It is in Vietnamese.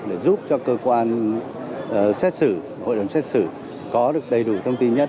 để giúp cho cơ quan xét xử hội đồng xét xử có được đầy đủ thông tin nhất